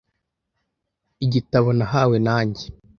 Igitabo nahawe na njye.